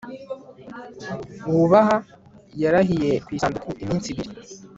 wubaha, yarahiye ku isanduku iminsi ibiri